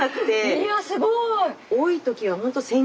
いやすごい！